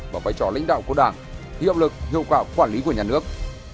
và vai trò lãnh đạo của đảng hiệu lực hiệu quả quản lý của nhà nước